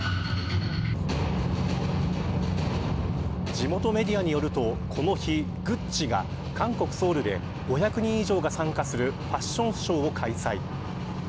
地元メディアによると、この日ＧＵＣＣＩが韓国、ソウルで５００人以上が参加するファッションショーを開催。